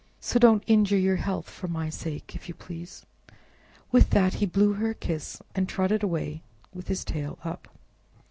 So don't injure your health for my sake, if you please." With that he blew her a kiss, and trotted away with his tail up.